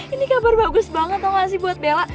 ini kabar bagus banget loh gak sih buat bella